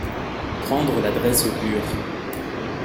Prendre l'adresse au bur.